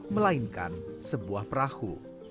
melainkan sebuah perahu